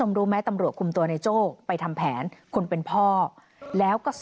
หรืออาจจะให้เมียช่วยกลับมาตามหา